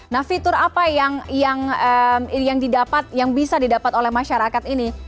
nah fitur apa yang bisa didapat oleh masyarakat ini